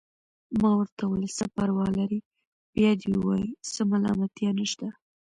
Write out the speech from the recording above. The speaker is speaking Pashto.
ما ورته وویل: څه پروا لري، بیا دې ووايي، څه ملامتیا نشته.